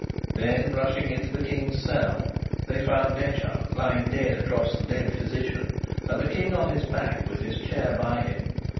Then rushing into the King's cell, they found Detchard lying dead across the dead physician, and the King on his back with his chair by him.